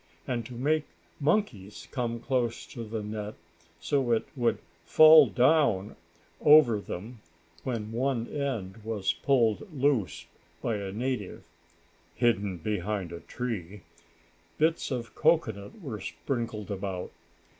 And to make monkeys come close to the net, so it would fall down over them, when one end was pulled loose by a native (hidden behind a tree) bits of cocoanut were sprinkled about.